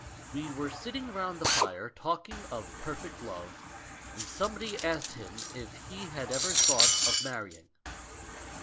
We were sitting round the fire, talk ing of perfect love, and somebody asked him if he had ever thought of marrying.